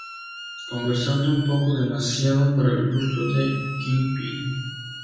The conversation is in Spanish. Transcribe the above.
Conversando un poco demasiado para el gusto de Kingpin.